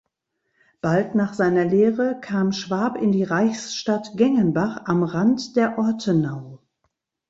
Bald nach seiner Lehre kam Schwab in die Reichsstadt Gengenbach am Rand der Ortenau.